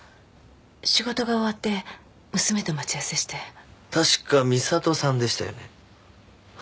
仕事が終わって娘と待ち合わせして確か美里さんでしたよね